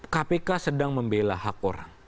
kpk sedang membela hak orang